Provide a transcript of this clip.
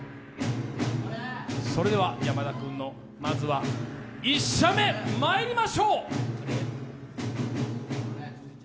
それでは山田君のまずは１射目まいりましょう。